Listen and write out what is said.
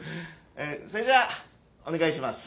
それじゃあお願いします。